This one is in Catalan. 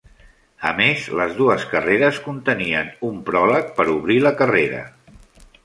A més, les dues carreres contenien un pròleg per obrir la carrera.